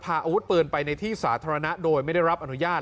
พาอาวุธปืนไปในที่สาธารณะโดยไม่ได้รับอนุญาต